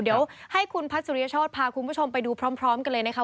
เดี๋ยวให้คุณพัชริยโชธพาคุณผู้ชมไปดูพร้อมกันเลยนะคะ